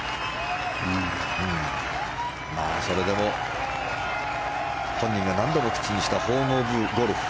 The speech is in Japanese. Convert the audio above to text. それでも本人が何度も口にしたホーム・オブ・ゴルフ。